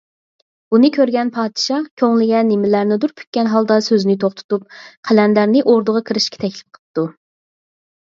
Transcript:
بۇنى كۆرگەن پادىشاھ كۆڭلىگە نېمىلەرنىدۇر پۈككەن ھالدا سۆزىنى توختىتىپ، قەلەندەرنى ئوردىغا كىرىشكە تەكلىپ قىپتۇ.